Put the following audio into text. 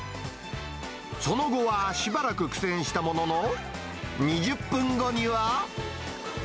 その後はしばらく苦戦したものの、２０分後には。